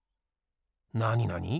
なになに？